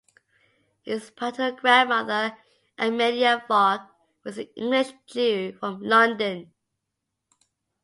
His paternal grandmother, Amelia Falk, was an English Jew from London.